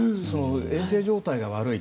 衛生状態が悪い。